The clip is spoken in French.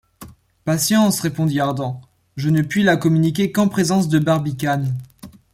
Patience, répondit Ardan, je ne puis la communiquer qu’en présence de Barbicane.